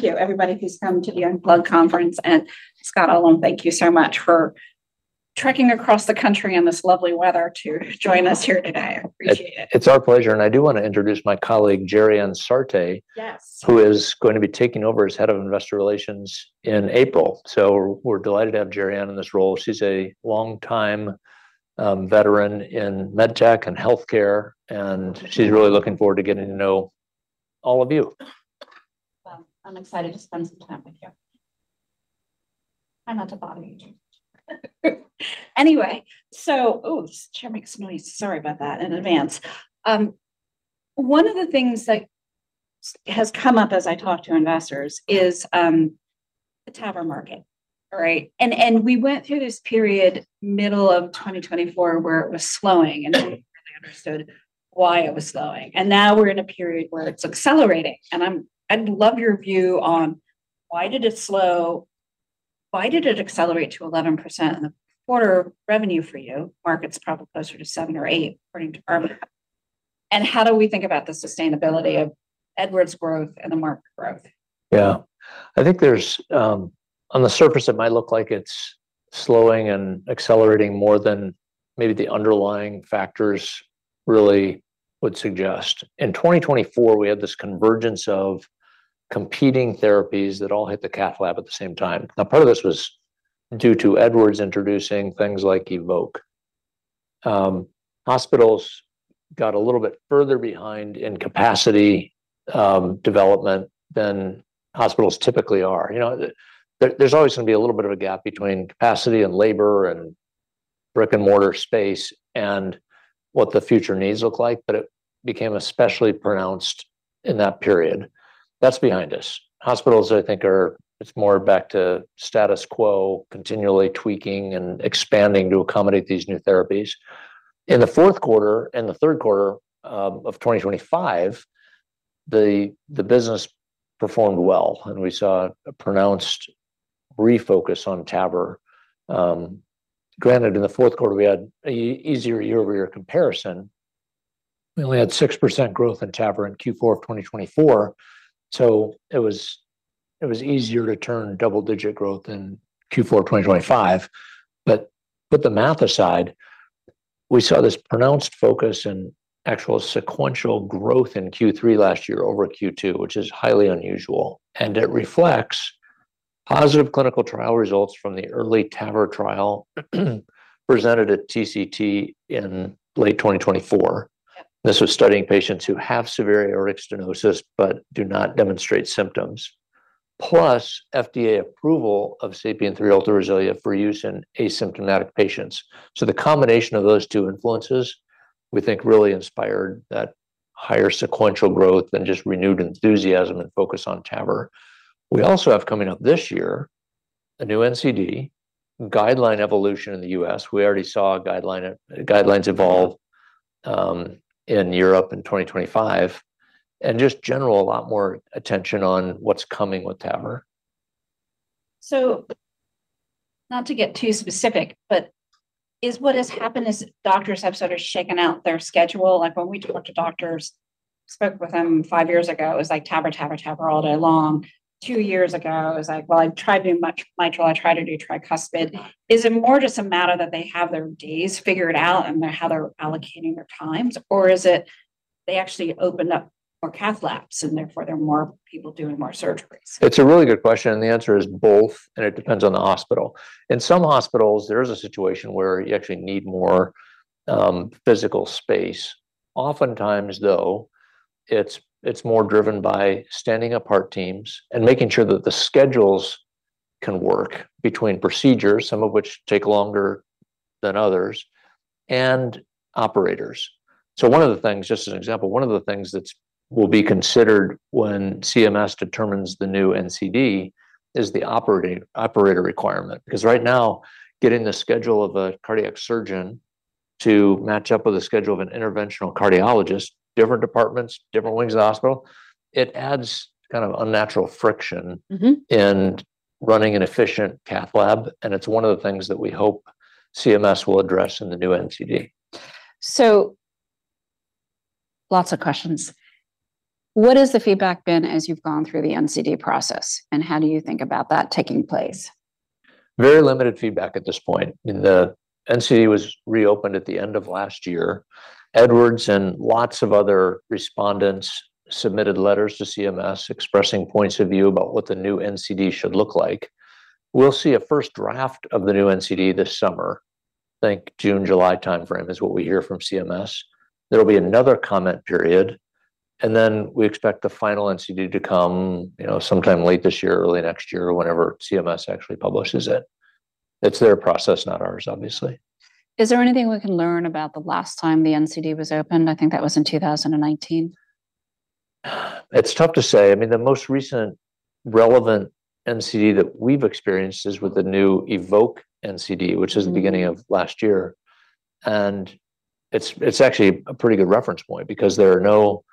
Thank you everybody who's come to the Young Blood Conference, and Scott Ullem, thank you so much for trekking across the country in this lovely weather to join us here today. I appreciate it. It's our pleasure, and I do want to introduce my colleague, Gerrianne Sarte. Yes who is going to be taking over as Head of Investor Relations in April. We're delighted to have Gerrianne in this role. She's a longtime veteran in MedTech and healthcare, and she's really looking forward to getting to know all of you. Well, I'm excited to spend some time with you. Try not to bother you. Anyway, Oh, this chair makes noise. Sorry about that in advance. One of the things that has come up as I talk to investors is the TAVR market, all right? We went through this period, middle of 2024, where it was slowing, and we understood why it was slowing. Now we're in a period where it's accelerating, and I'd love your view on why did it accelerate to 11% in the quarter revenue for you? Market's probably closer to 7%-8%, according to uncertain. How do we think about the sustainability of Edwards growth and the market growth? Yeah. I think there's On the surface, it might look like it's slowing and accelerating more than maybe the underlying factors really would suggest. In 2024, we had this convergence of competing therapies that all hit the cath lab at the same time. Part of this was due to Edwards introducing things like EVOQUE. Hospitals got a little bit further behind in capacity, development than hospitals typically are. You know, there's always going to be a little bit of a gap between capacity and labor and brick-and-mortar space and what the future needs look like, but it became especially pronounced in that period. That's behind us. Hospitals, I think, it's more back to status quo, continually tweaking and expanding to accommodate these new therapies. In the fourth quarter and the third quarter of 2025, the business performed well, and we saw a pronounced refocus on TAVR. Granted, in the fourth quarter, we had a easier YoY comparison. We only had 6% growth in TAVR in Q4 of 2024, so it was easier to turn double-digit growth in Q4 of 2025. Put the math aside, we saw this pronounced focus and actual sequential growth in Q3 last year over Q2, which is highly unusual, and it reflects positive clinical trial results from the EARLY TAVR Trial, presented at TCT in late 2024. This was studying patients who have severe aortic stenosis but do not demonstrate symptoms, plus FDA approval of SAPIEN 3 Ultra RESILIA for use in asymptomatic patients. The combination of those two influences, we think, really inspired that higher sequential growth than just renewed enthusiasm and focus on TAVR. We also have, coming up this year, a new NCD, guideline evolution in the U.S. We already saw guidelines evolve in Europe in 2025, and just general a lot more attention on what's coming with TAVR. Not to get too specific, but is what has happened is doctors have sort of shaken out their schedule? Like, when we talk to doctors, spoke with them five years ago, it was like TAVR, TAVR all day long. Two years ago, it was like: "Well, I've tried doing much mitral, I try to do tricuspid." Is it more just a matter that they have their days figured out and how they're allocating their times, or is it they actually opened up more cath labs, and therefore there are more people doing more surgeries? It's a really good question, and the answer is both, and it depends on the hospital. In some hospitals, there is a situation where you actually need more physical space. Oftentimes, though, it's more driven by standing apart teams and making sure that the schedules can work between procedures, some of which take longer than others, and operators. One of the things, just as an example, one of the things that will be considered when CMS determines the new NCD is the operating, operator requirement. Right now, getting the schedule of a cardiac surgeon to match up with the schedule of an interventional cardiologist, different departments, different wings of the hospital, it adds kind of unnatural friction. Mm-hmm... in running an efficient cath lab, and it's one of the things that we hope CMS will address in the new NCD. Lots of questions. What has the feedback been as you've gone through the NCD process, and how do you think about that taking place? Very limited feedback at this point. I mean, the NCD was reopened at the end of last year. Edwards and lots of other respondents submitted letters to CMS, expressing points of view about what the new NCD should look like. We'll see a first draft of the new NCD this summer. I think June, July timeframe is what we hear from CMS. There will be another comment period, and then we expect the final NCD to come, you know, sometime late this year or early next year, or whenever CMS actually publishes it. It's their process, not ours, obviously. Is there anything we can learn about the last time the NCD was opened? I think that was in 2019. It's tough to say. I mean, the most recent relevant NCD that we've experienced is with the new EVOQUE NCD, which is the beginning of last year. It's actually a pretty good reference point because there are no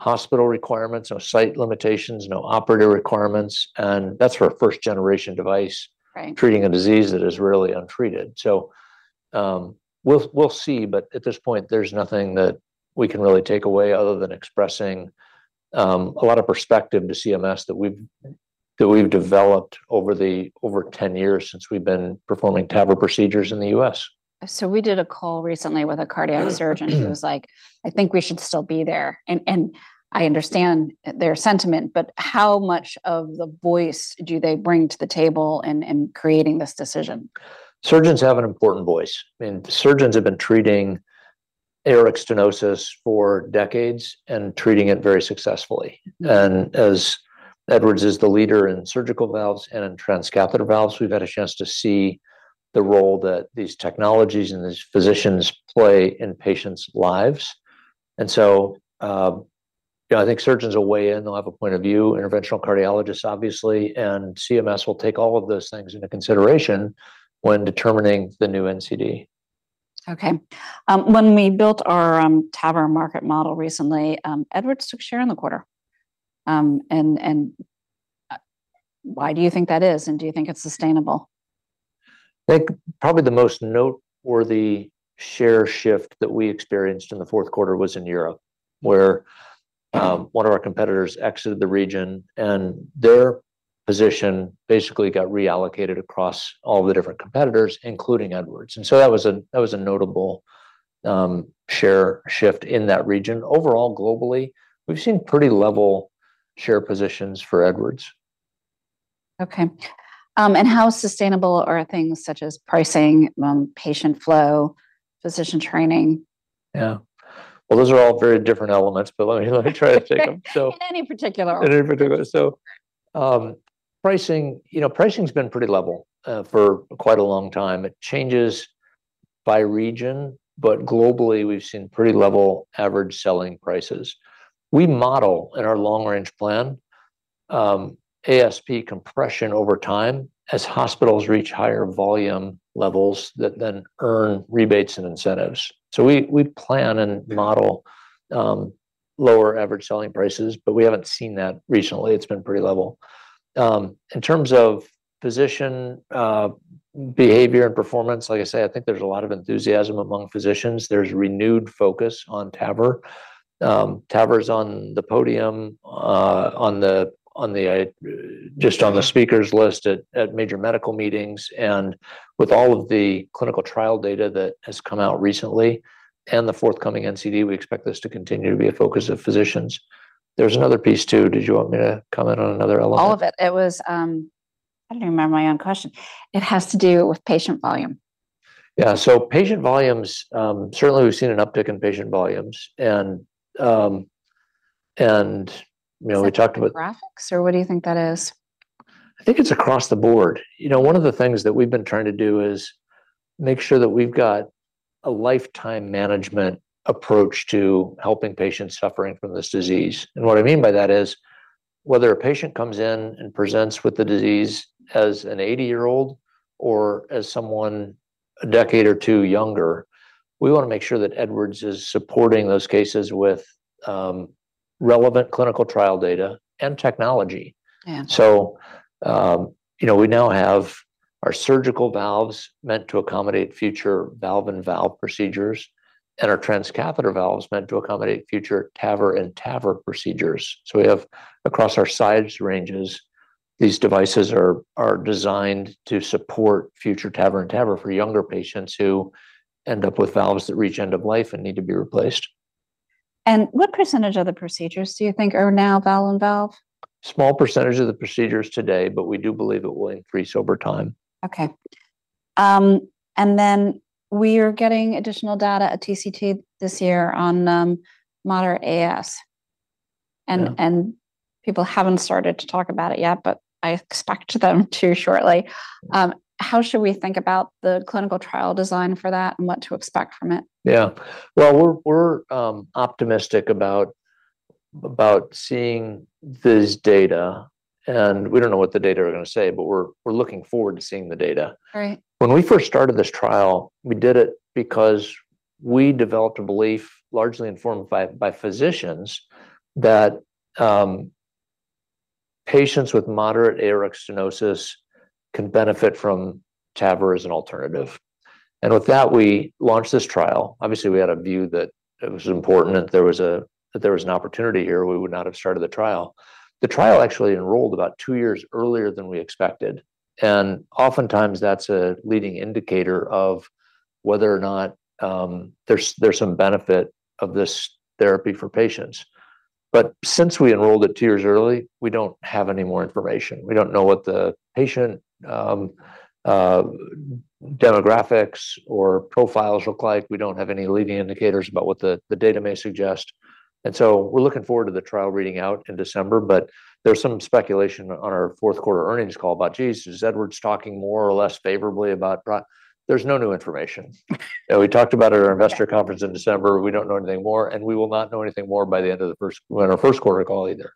hospital requirements, no site limitations, no operator requirements, and that's for a first-generation device. Right... treating a disease that is really untreated. we'll see, but at this point, there's nothing we can really take away other than expressing a lot of perspective to CMS that we've developed over 10 years since we've been performing TAVR procedures in the U.S. We did a call recently with a cardiac surgeon. Mm-hmm. who was like, "I think we should still be there." I understand their sentiment, but how much of the voice do they bring to the table in creating this decision? Surgeons have an important voice, surgeons have been treating aortic stenosis for decades and treating it very successfully. As Edwards is the leader in surgical valves and in transcatheter valves, we've had a chance to see the role that these technologies and these physicians play in patients' lives. Yeah, I think surgeons will weigh in. They'll have a point of view, interventional cardiologists, obviously, and CMS will take all of those things into consideration when determining the new NCD. Okay. When we built our TAVR market model recently, Edwards took share in the quarter. Why do you think that is, and do you think it's sustainable? I think probably the most noteworthy share shift that we experienced in the fourth quarter was in Europe, where one of our competitors exited the region, and their position basically got reallocated across all the different competitors, including Edwards. That was a notable share shift in that region. Overall, globally, we've seen pretty level share positions for Edwards. Okay. How sustainable are things such as pricing, patient flow, physician training? Yeah. Well, those are all very different elements, but let me try to take them. In any particular order. In any particular. pricing, you know, pricing's been pretty level for quite a long time. It changes by region, but globally, we've seen pretty level average selling prices. We model in our long-range plan, ASP compression over time as hospitals reach higher volume levels that then earn rebates and incentives. We plan and model lower average selling prices, but we haven't seen that recently. It's been pretty level. In terms of physician behavior and performance, like I say, I think there's a lot of enthusiasm among physicians. There's renewed focus on TAVR. TAVR is on the podium, just on the speakers list at major medical meetings. With all of the clinical trial data that has come out recently and the forthcoming NCD, we expect this to continue to be a focus of physicians. There's another piece, too. Did you want me to comment on another element? All of it. It was, I don't remember my own question. It has to do with patient volume. Patient volumes, certainly we've seen an uptick in patient volumes and, you know. Graphics, or what do you think that is? I think it's across the board. You know, one of the things that we've been trying to do is make sure that we've got a lifetime management approach to helping patients suffering from this disease. What I mean by that is, whether a patient comes in and presents with the disease as an 80-year-old or as someone a decade or two younger, we wanna make sure that Edwards is supporting those cases with relevant clinical trial data and technology. Yeah. You know, we now have our surgical valves meant to accommodate future valve-in-valve procedures and our transcatheter valves meant to accommodate future TAVR procedures. We have, across our size ranges, these devices are designed to support future TAVR for younger patients who end up with valves that reach end of life and need to be replaced. what % of the procedures do you think are now valve-in-valve? Small percentage of the procedures today, but we do believe it will increase over time. Okay. Then we are getting additional data at TCT this year on moderate AS. Yeah. People haven't started to talk about it yet, but I expect them to shortly. How should we think about the clinical trial design for that and what to expect from it? We're optimistic about seeing this data. We don't know what the data are gonna say. We're looking forward to seeing the data. Right. When we first started this trial, we did it because we developed a belief, largely informed by physicians, that patients with moderate aortic stenosis can benefit from TAVR as an alternative. With that, we launched this trial. Obviously, we had a view that it was important, that there was an opportunity here, we would not have started the trial. The trial actually enrolled about two years earlier than we expected. Oftentimes that's a leading indicator of whether or not there's some benefit of this therapy for patients. Since we enrolled it two years early, we don't have any more information. We don't know what the patient demographics or profiles look like. We don't have any leading indicators about what the data may suggest. We're looking forward to the trial reading out in December. There's some speculation on our fourth quarter earnings call about, "Geez, is Edwards talking more or less favorably about pro...?" There's no new information. You know, we talked about at our investor conference in December, we don't know anything more, and we will not know anything more by the end of our first quarter call either.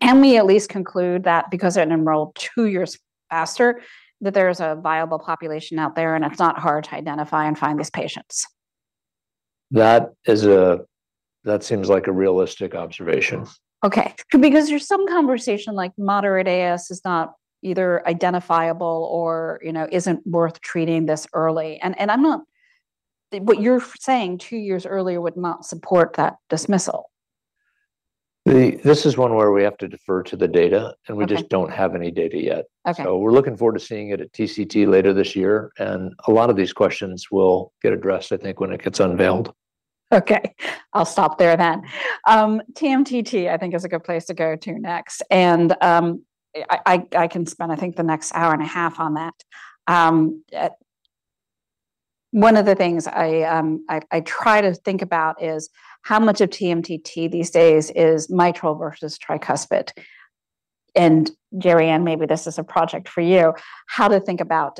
Can we at least conclude that because it enrolled two years faster, that there is a viable population out there, and it's not hard to identify and find these patients? That seems like a realistic observation. Okay. There's some conversation, like moderate AS is not either identifiable or, you know, isn't worth treating this early. What you're saying, two years earlier would not support that dismissal. This is one where we have to defer to the data. Okay. we just don't have any data yet. Okay. We're looking forward to seeing it at TCT later this year, and a lot of these questions will get addressed, I think, when it gets unveiled. Okay, I'll stop there then. TMTT, I think, is a good place to go to next, and I, I can spend, I think, the next hour and a half on that. One of the things I, I try to think about is how much of TMTT these days is mitral versus tricuspid? Gerianne, maybe this is a project for you, how to think about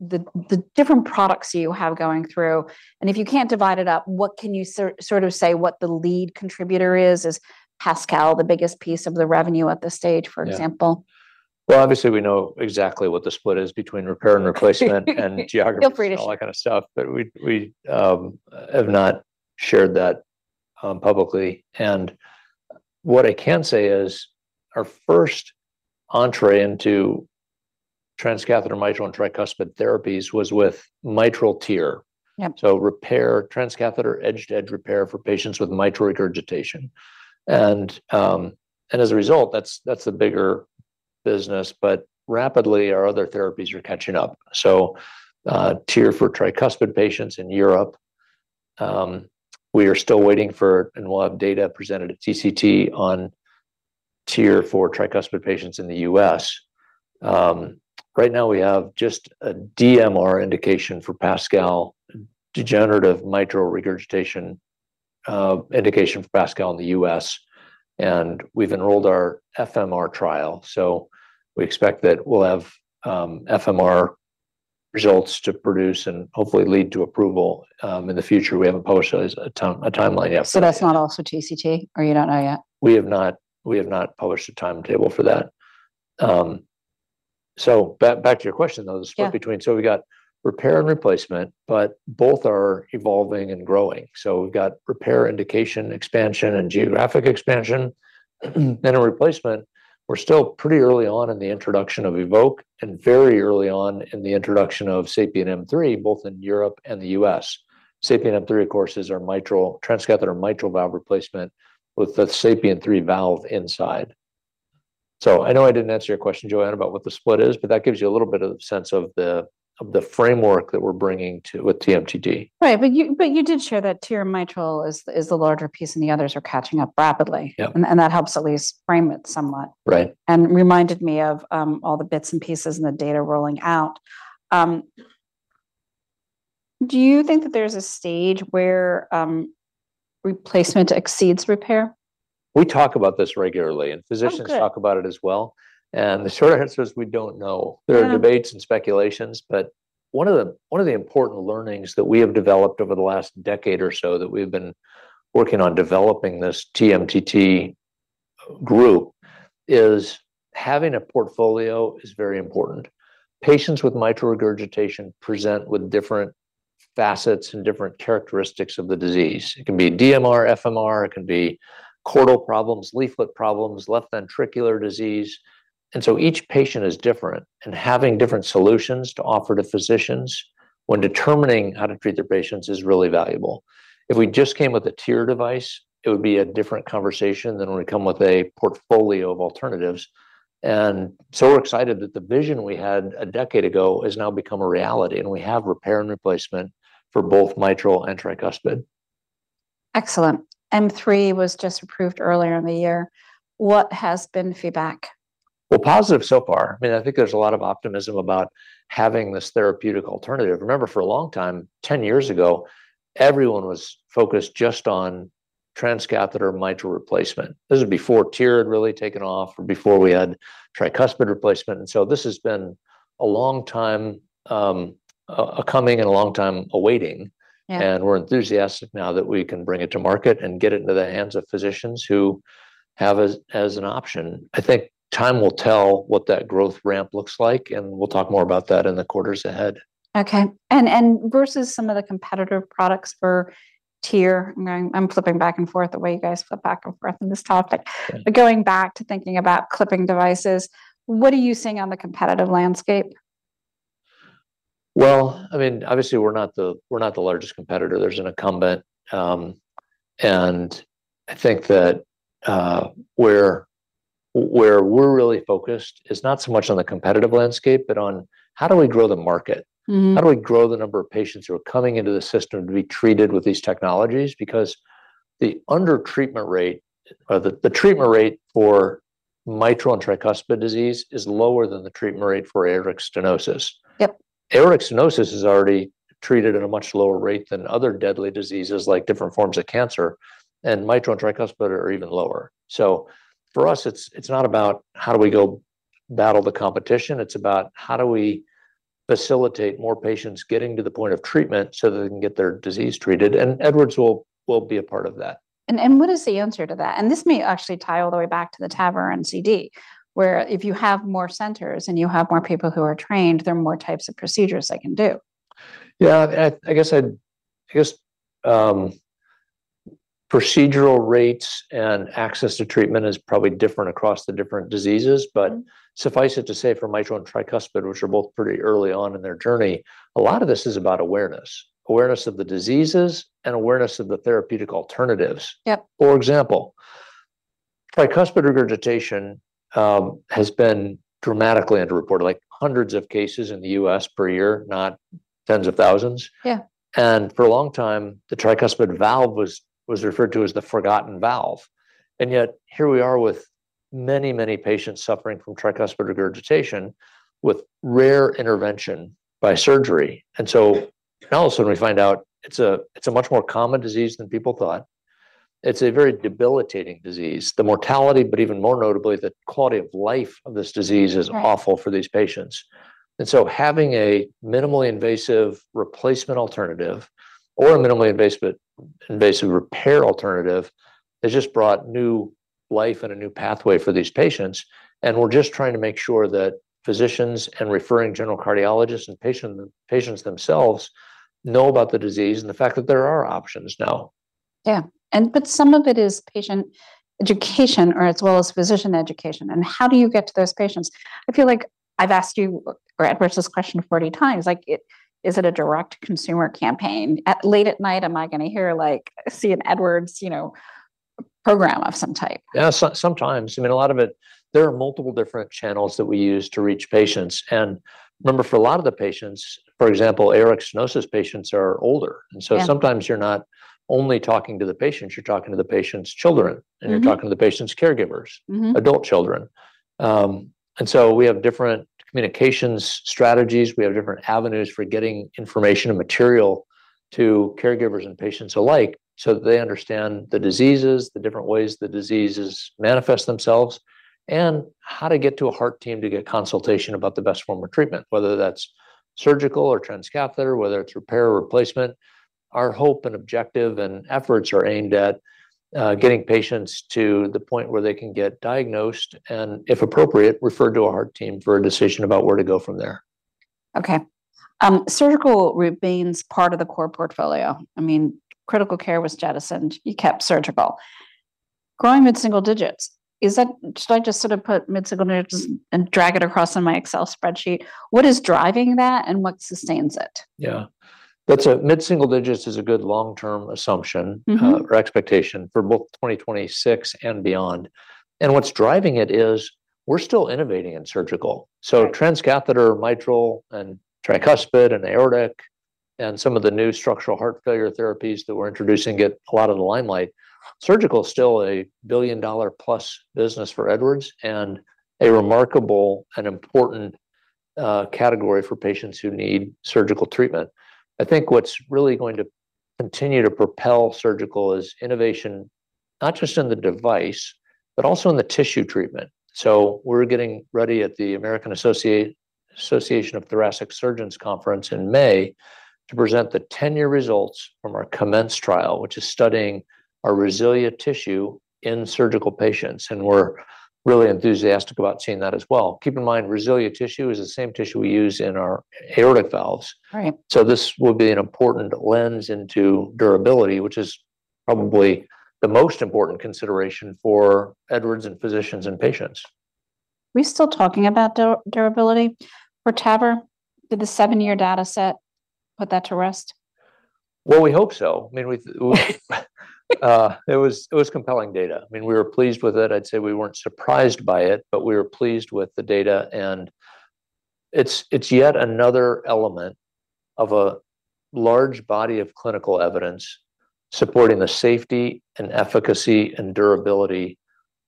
the different products you have going through, and if you can't divide it up, what can you sort of say what the lead contributor is? Is PASCAL the biggest piece of the revenue at this stage, for example? Yeah. Well, obviously, we know exactly what the split is between repair and replacement- Feel free. and geographies and all that kind of stuff, but we have not shared that publicly. What I can say is our first entrée into transcatheter mitral and tricuspid therapies was with mitral TEER. Yep. Repair, transcatheter edge-to-edge repair for patients with mitral regurgitation. As a result, that's the bigger business, but rapidly, our other therapies are catching up. TEER for tricuspid patients in Europe, we are still waiting for and we'll have data presented at TCT on TEER for tricuspid patients in the U.S. Right now we have just a DMR indication for PASCAL, degenerative mitral regurgitation, indication for PASCAL in the U.S., and we've enrolled our FMR trial. We expect that we'll have FMR results to produce and hopefully lead to approval in the future. We haven't published a timeline yet. That's not also TCT, or you don't know yet? We have not published a timetable for that. Back to your question, though. Yeah... the split between. We've got repair and replacement, but both are evolving and growing. We've got repair indication, expansion, and geographic expansion, and a replacement. We're still pretty early on in the introduction of EVOQUE and very early on in the introduction of SAPIEN M3, both in Europe and the US. SAPIEN M3, of course, is our mitral, transcatheter mitral valve replacement with the SAPIEN M3 valve inside. I know I didn't answer your question, Joanne, about what the split is, but that gives you a little bit of sense of the, of the framework that we're bringing to with TMTT. Right, you did share that TEER mitral is the larger piece, and the others are catching up rapidly. Yeah. That helps at least frame it somewhat. Right. Reminded me of, all the bits and pieces and the data rolling out. Do you think that there's a stage where, replacement exceeds repair? We talk about this regularly. Oh, good. Physicians talk about it as well. The short answer is, we don't know. Mm. There are debates and speculations, one of the important learnings that we have developed over the last decade or so that we've been working on developing this TMTT group is having a portfolio is very important. Patients with mitral regurgitation present with different facets and different characteristics of the disease. It can be DMR, FMR, it can be chordal problems, leaflet problems, left ventricular disease, each patient is different. Having different solutions to offer to physicians when determining how to treat their patients is really valuable. If we just came with a TEER device, it would be a different conversation than when we come with a portfolio of alternatives. We're excited that the vision we had a decade ago has now become a reality, and we have repair and replacement for both mitral and tricuspid. Excellent. M3 was just approved earlier in the year. What has been the feedback? Positive so far. I mean, I think there's a lot of optimism about having this therapeutic alternative. Remember, for a long time, 10 years ago, everyone was focused just on transcatheter mitral replacement. This is before TEER had really taken off or before we had tricuspid replacement. This has been a long time, a-coming and a long time awaiting. Yeah. We're enthusiastic now that we can bring it to market and get it into the hands of physicians who have as an option. I think time will tell what that growth ramp looks like, and we'll talk more about that in the quarters ahead. Okay. Versus some of the competitor products for TEER, I'm flipping back and forth the way you guys flip back and forth on this topic. Going back to thinking about clipping devices, what are you seeing on the competitive landscape? Well, I mean, obviously, we're not the largest competitor. There's an incumbent, and I think that, where we're really focused is not so much on the competitive landscape, but on how do we grow the market? Mm-hmm. How do we grow the number of patients who are coming into the system to be treated with these technologies? The under-treatment rate, or the treatment rate for mitral and tricuspid disease is lower than the treatment rate for aortic stenosis. Yep. Aortic stenosis is already treated at a much lower rate than other deadly diseases, like different forms of cancer, and mitral and tricuspid are even lower. For us, it's not about how do we go battle the competition, it's about how do we facilitate more patients getting to the point of treatment so that they can get their disease treated. Edwards will be a part of that. What is the answer to that? This may actually tie all the way back to the TAVR and NCD, where if you have more centers and you have more people who are trained, there are more types of procedures they can do. Yeah, I guess procedural rates and access to treatment is probably different across the different diseases. Mm-hmm. Suffice it to say, for mitral and tricuspid, which are both pretty early on in their journey, a lot of this is about awareness. Awareness of the diseases and awareness of the therapeutic alternatives. Yep. For example, tricuspid regurgitation has been dramatically underreported, like hundreds of cases in the U.S. per year, not tens of thousands. Yeah. For a long time, the tricuspid valve was referred to as the forgotten valve. Yet, here we are with many patients suffering from tricuspid regurgitation with rare intervention by surgery. Now all of a sudden we find out it's a much more common disease than people thought. It's a very debilitating disease. The mortality, but even more notably, the quality of life of this disease. Right... is awful for these patients. Having a minimally invasive replacement alternative or a minimally invasive repair alternative has just brought new life and a new pathway for these patients, and we're just trying to make sure that physicians and referring general cardiologists and patients themselves know about the disease and the fact that there are options now. Yeah. Some of it is patient education as well as physician education, how do you get to those patients? I feel like I've asked you or asked this question 40 times. Like, is it a direct consumer campaign? Late at night, am I gonna hear, like, see an Edwards, you know, program of some type? Sometimes. There are multiple different channels that we use to reach patients. Remember, for a lot of the patients, for example, aortic stenosis patients are older. Yeah. Sometimes you're not only talking to the patients, you're talking to the patient's children. Mm-hmm and you're talking to the patient's caregivers. Mm-hmm... adult children. We have different communications strategies. We have different avenues for getting information and material to caregivers and patients alike, so that they understand the diseases, the different ways the diseases manifest themselves, and how to get to a heart team to get consultation about the best form of treatment, whether that's surgical or transcatheter, whether it's repair or replacement. Our hope and objective and efforts are aimed at getting patients to the point where they can get diagnosed and, if appropriate, referred to a heart team for a decision about where to go from there. Okay. surgical remains part of the core portfolio. I mean, critical care was jettisoned. You kept surgical. Growing mid-single digits, should I just sort of put mid-single digits and drag it across on my Excel spreadsheet? What is driving that, and what sustains it? Yeah. That's mid-single digits is a good long-term assumption. Mm-hmm... or expectation for both 2026 and beyond. What's driving it is we're still innovating in surgical. Right. Transcatheter, mitral and tricuspid and aortic, and some of the new structural heart failure therapies that we're introducing get a lot of the limelight. Surgical is still a billion-dollar plus business for Edwards and a remarkable and important category for patients who need surgical treatment. I think what's really going to continue to propel surgical is innovation, not just in the device, but also in the tissue treatment. We're getting ready at the American Association for Thoracic Surgery conference in May to present the 10-year results from our COMMENCE trial, which is studying our RESILIA tissue in surgical patients, and we're really enthusiastic about seeing that as well. Keep in mind, RESILIA tissue is the same tissue we use in our aortic valves. Right. This will be an important lens into durability, which is probably the most important consideration for Edwards and physicians and patients. Are we still talking about durability for TAVR? Did the seven-year data set put that to rest? Well, we hope so. I mean, it was compelling data. I mean, we were pleased with it. I'd say we weren't surprised by it, but we were pleased with the data, and it's yet another element of a large body of clinical evidence supporting the safety and efficacy and durability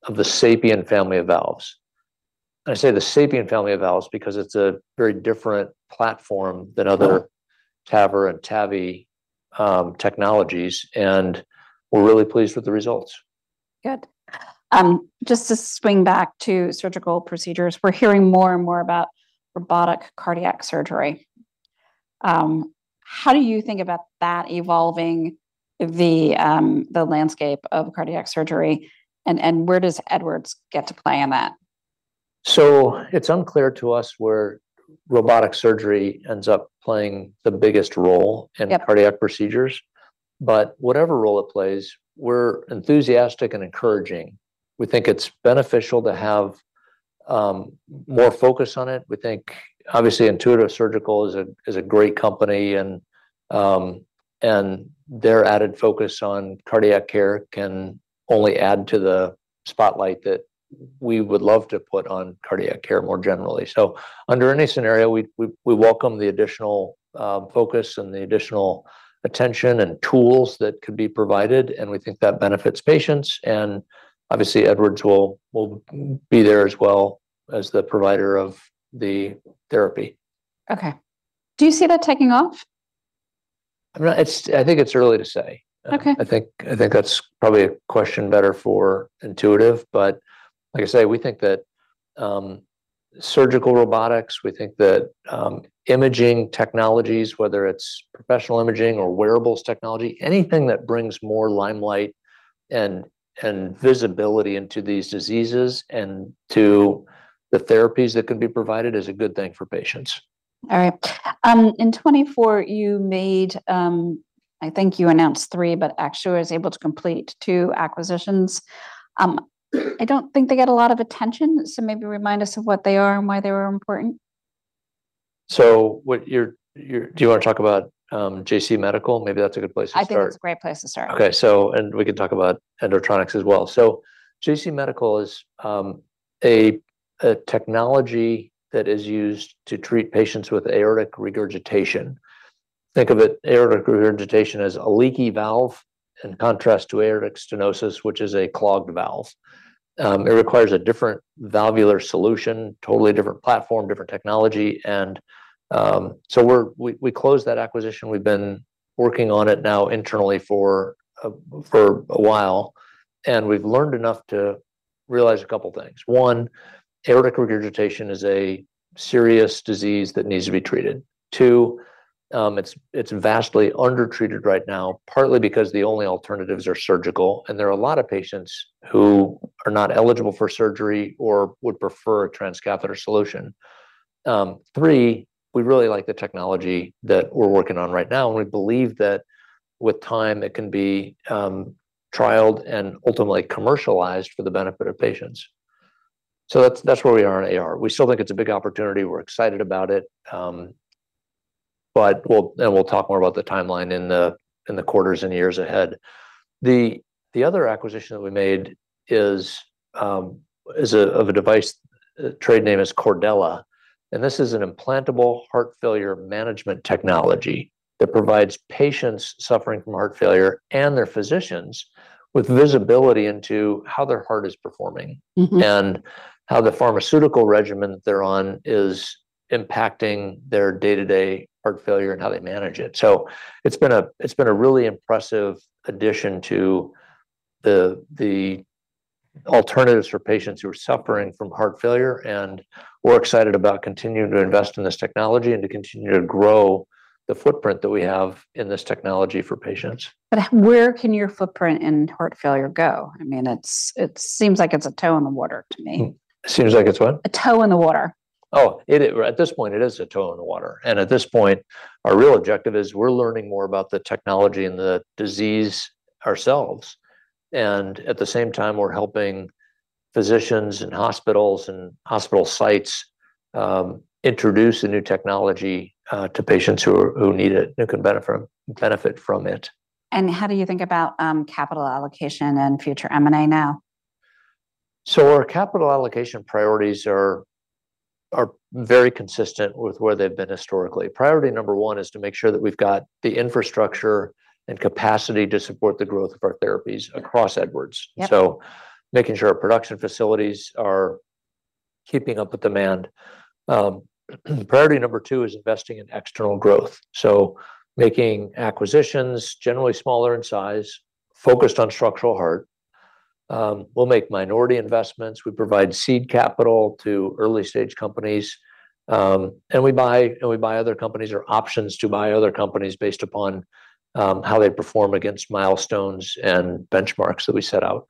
of the SAPIEN family of valves. I say the SAPIEN family of valves because it's a very different platform than other- Sure... TAVR and TAVI, technologies, and we're really pleased with the results. Good. Just to swing back to surgical procedures, we're hearing more and more about robotic cardiac surgery. How do you think about that evolving the landscape of cardiac surgery, and where does Edwards get to play in that? It's unclear to us where robotic surgery ends up playing the biggest role. Yep in cardiac procedures. Whatever role it plays, we're enthusiastic and encouraging. We think it's beneficial to have more focus on it. We think, obviously, Intuitive Surgical is a great company, and their added focus on cardiac care can only add to the spotlight that we would love to put on cardiac care more generally. Under any scenario, we welcome the additional focus and the additional attention and tools that could be provided, and we think that benefits patients, and obviously, Edwards will be there as well as the provider of the therapy. Okay. Do you see that taking off? I think it's early to say. Okay. I think that's probably a question better for Intuitive, but like I say, we think that surgical robotics, we think that imaging technologies, whether it's professional imaging or wearables technology, anything that brings more limelight and visibility into these diseases and to the therapies that can be provided is a good thing for patients. All right. in 24, you made, I think you announced three, but actually was able to complete two acquisitions. I don't think they get a lot of attention, so maybe remind us of what they are and why they were important. Do you want to talk about JC Medical? Maybe that's a good place to start. I think that's a great place to start. Okay. We can talk about Endotronix as well. JC Medical is a technology that is used to treat patients with aortic regurgitation. Think of it, aortic regurgitation, as a leaky valve, in contrast to aortic stenosis, which is a clogged valve. It requires a different valvular solution, totally different platform, different technology. We closed that acquisition. We've been working on it now internally for a while, and we've learned enough to realize a couple things. One, aortic regurgitation is a serious disease that needs to be treated. Two, it's vastly undertreated right now, partly because the only alternatives are surgical, and there are a lot of patients who are not eligible for surgery or would prefer a transcatheter solution. Three, we really like the technology that we're working on right now, and we believe that with time, it can be trialed and ultimately commercialized for the benefit of patients. That's, that's where we are in AR. We still think it's a big opportunity. We're excited about it. And we'll talk more about the timeline in the, in the quarters and years ahead. The, the other acquisition that we made is of a device, trade name is Cordella, and this is an implantable heart failure management technology that provides patients suffering from heart failure and their physicians with visibility into how their heart is performing- Mm-hmm and how the pharmaceutical regimen they're on is impacting their day-to-day heart failure and how they manage it. It's been a really impressive addition to the alternatives for patients who are suffering from heart failure, and we're excited about continuing to invest in this technology and to continue to grow the footprint that we have in this technology for patients. Where can your footprint in heart failure go? I mean, it seems like it's a toe in the water to me. Seems like it's what? A toe in the water. Oh, it is. At this point, it is a toe in the water. At this point, our real objective is we're learning more about the technology and the disease ourselves. At the same time, we're helping physicians and hospitals, and hospital sites, introduce a new technology to patients who need it and can benefit from it. How do you think about capital allocation and future M&A now? Our capital allocation priorities are very consistent with where they've been historically. Priority number one is to make sure that we've got the infrastructure and capacity to support the growth of our therapies across Edwards. Yep. Making sure our production facilities are keeping up with demand. Priority number two is investing in external growth. Making acquisitions, generally smaller in size, focused on structural heart. We'll make minority investments. We provide seed capital to early-stage companies, and we buy other companies or options to buy other companies based upon how they perform against milestones and benchmarks that we set out.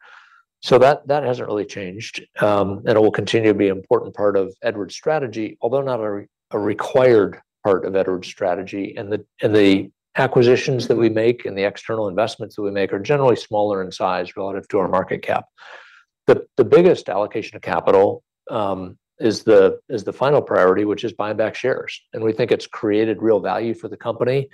That hasn't really changed, and it will continue to be an important part of Edwards' strategy, although not a required part of Edwards' strategy. The acquisitions that we make and the external investments that we make are generally smaller in size relative to our market cap. The biggest allocation of capital is the final priority, which is buying back shares. We think it's created real value for the company.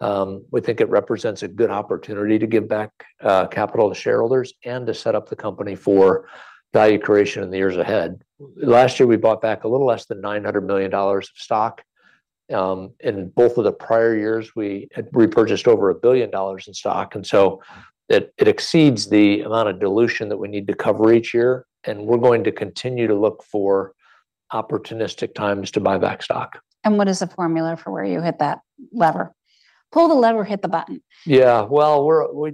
We think it represents a good opportunity to give back capital to shareholders and to set up the company for value creation in the years ahead. Last year, we bought back a little less than $900 million of stock. In both of the prior years, we had repurchased over $1 billion in stock. It exceeds the amount of dilution that we need to cover each year. We're going to continue to look for opportunistic times to buy back stock. What is the formula for where you hit that lever? Pull the lever, hit the button. Yeah. Well,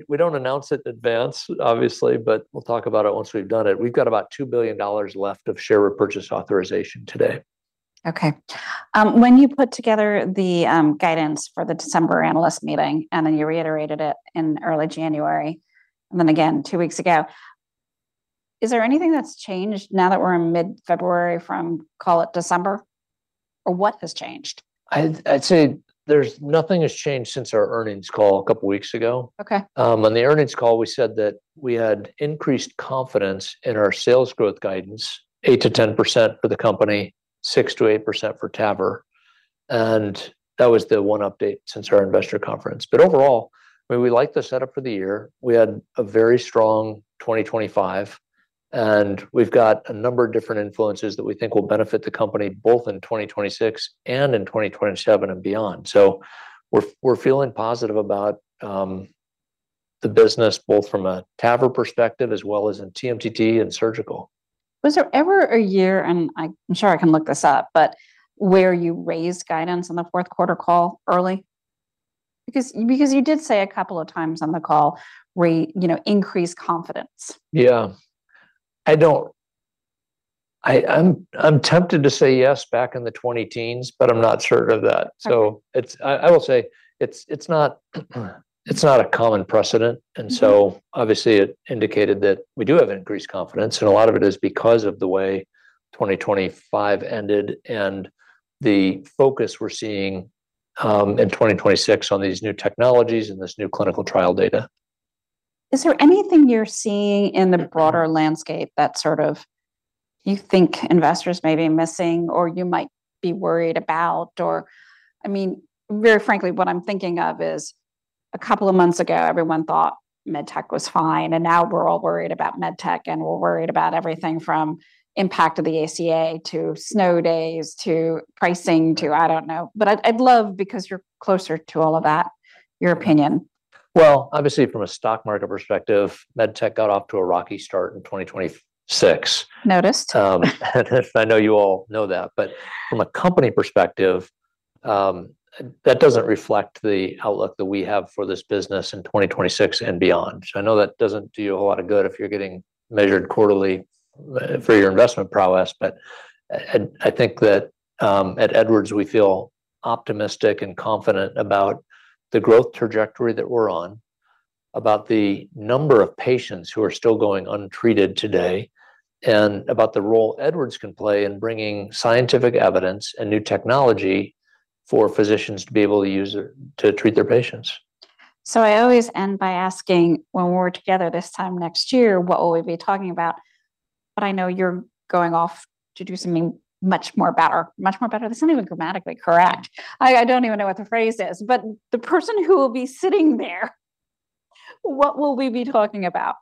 we don't announce it in advance, obviously, but we'll talk about it once we've done it. We've got about $2 billion left of share repurchase authorization today. Okay. When you put together the guidance for the December analyst meeting, and then you reiterated it in early January, and then again two weeks ago, is there anything that's changed now that we're in mid-February from, call it December? What has changed? I'd say nothing has changed since our earnings call a couple weeks ago. Okay. On the earnings call, we said that we had increased confidence in our sales growth guidance, 8%-10% for the company, 6%-8% for TAVR. That was the one update since our investor conference. Overall, I mean, we like the setup for the year. We had a very strong 2025. We've got a number of different influences that we think will benefit the company, both in 2026 and in 2027 and beyond. We're feeling positive about the business, both from a TAVR perspective as well as in TMTT and surgical. Was there ever a year, and I'm sure I can look this up, but where you raised guidance on the fourth quarter call early? You did say a couple of times on the call, we, you know, increased confidence. Yeah. I'm tempted to say yes back in the twenty-teens, but I'm not certain of that. Okay. I will say, it's not a common precedent, obviously, it indicated that we do have increased confidence, a lot of it is because of the way 2025 ended and the focus we're seeing in 2026 on these new technologies and this new clinical trial data.... Is there anything you're seeing in the broader landscape that sort of you think investors may be missing or you might be worried about? I mean, very frankly, what I'm thinking of is a couple of months ago, everyone thought MedTech was fine, and now we're all worried about MedTech, and we're worried about everything from impact of the ACA to snow days, to pricing, to I don't know. I'd love, because you're closer to all of that, your opinion. Well, obviously, from a stock market perspective, med tech got off to a rocky start in 2026. Noticed. I know you all know that. From a company perspective, that doesn't reflect the outlook that we have for this business in 2026 and beyond. I know that doesn't do you a lot of good if you're getting measured quarterly for your investment prowess. I think that at Edwards, we feel optimistic and confident about the growth trajectory that we're on, about the number of patients who are still untreated today, and about the role Edwards can play in bringing scientific evidence and new technology for physicians to be able to use to treat their patients. I always end by asking, when we're together this time next year, what will we be talking about? I know you're going off to do something much more better. Much more better? That's not even grammatically correct. I don't even know what the phrase is, but the person who will be sitting there, what will we be talking about?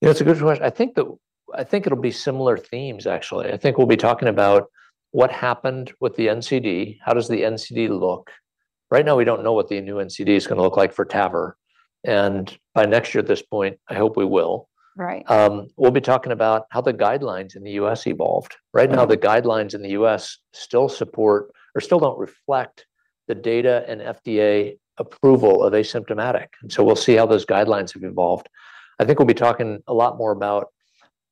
Yeah, it's a good question. I think it'll be similar themes, actually. I think we'll be talking about what happened with the NCD, how does the NCD look. Right now, we don't know what the new NCD is gonna look like for TAVR. By next year at this point, I hope we will. Right. We'll be talking about how the guidelines in the U.S. evolved. Right now, the guidelines in the U.S. still support or still don't reflect the data and FDA approval of asymptomatic, so we'll see how those guidelines have evolved. I think we'll be talking a lot more about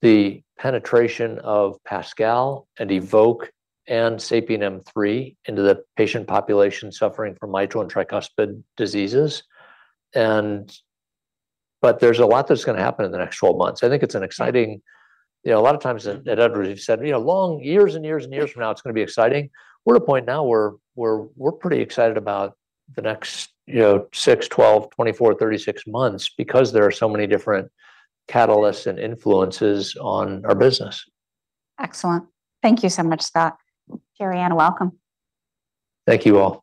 the penetration of PASCAL and EVOQUE and SAPIEN M3 into the patient population suffering from mitral and tricuspid diseases. There's a lot that's gonna happen in the next 12 months. I think it's an exciting... You know, a lot of times at Edwards, you've said, you know, long years and years and years from now, it's gonna be exciting. We're at a point now where we're pretty excited about the next, you know, six, 12, 24, 36 months because there are so many different catalysts and influences on our business. Excellent. Thank you so much, Scott. Gerianne, welcome. Thank you, all.